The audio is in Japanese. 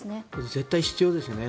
絶対必要ですね。